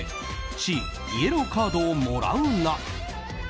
Ｃ、イエローカードをもらうな！